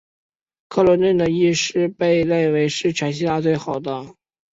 克罗顿的医师被认为是全希腊最好的。